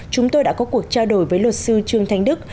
chúng tôi đã có cuộc trao đổi với luật sư trương thanh đức